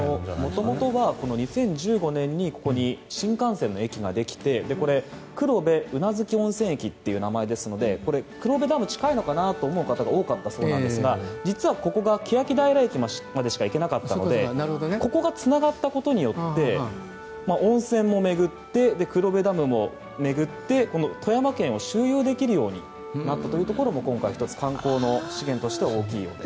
もともと２０１５年、ここに新幹線の駅ができて黒部宇奈月温泉駅という名前ですのでこれ、黒部ダムが近いのかなと思う方が多かったそうですが実は、欅平駅までしか行けなかったのでここがつながったことによって温泉も巡って黒部ダムも巡って、富山県を周遊できるようになったのも今回、１つ観光の資源として大きいようです。